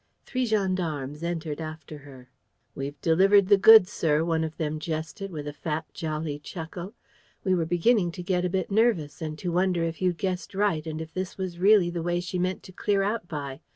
Three gendarmes entered after her: "We've delivered the goods, sir," one of them jested, with a fat, jolly chuckle. "We were beginning to get a bit nervous and to wonder if you'd guessed right and if this was really the way she meant to clear out by.